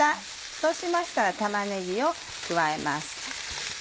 そうしましたら玉ねぎを加えます。